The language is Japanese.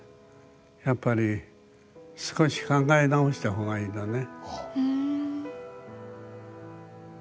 やっぱり少し考え直した方がいいのね。